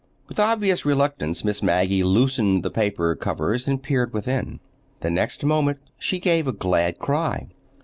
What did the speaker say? With obvious reluctance Miss Maggie loosened the paper covers and peered within. The next moment she gave a glad cry.